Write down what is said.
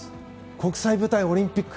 国際舞台、オリンピック。